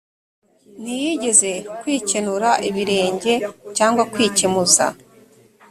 ntiyigeze kwikenura ibirenge cyangwa kwikemuza